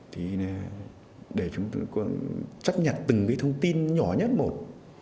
thì để chúng tôi chấp nhận từng cái thông tin nhỏ nhất một